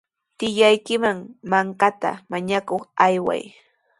Tiyaykiman mankata mañakuq ayway.